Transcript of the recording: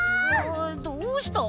どうした？